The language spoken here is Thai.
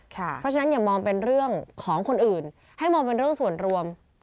เพราะฉะนั้นอย่ามองเป็นเรื่องของคนอื่นให้มองเป็นเรื่องส่วนรวม